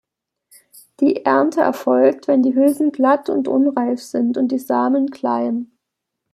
Die Ernte erfolgt, wenn die Hülsen glatt und unreif sind und die Samen klein.